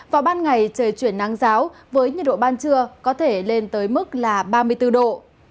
vào ban ngày trời chuyển nắng giáo với nhiệt độ ban trưa có thể lên tới mức là ba mươi bốn độ